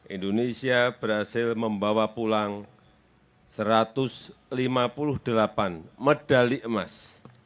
indonesia berhasil membawa pulang satu ratus lima puluh delapan medali emas